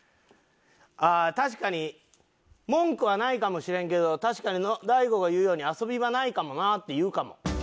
ああ確かに文句はないかもしれんけど確かに大悟が言うように遊びはないかもなって言うかも。